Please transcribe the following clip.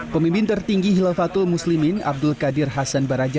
pemimpin tertinggi hilal fatul muslimin abdul qadir hasan baraja